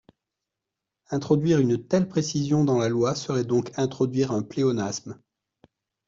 Introduire une telle précision dans la loi serait donc introduire un pléonasme.